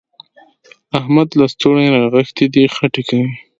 احمد لستوڼي رانغښتي دي؛ خټې کوي.